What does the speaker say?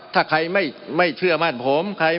มันมีมาต่อเนื่องมีเหตุการณ์ที่ไม่เคยเกิดขึ้น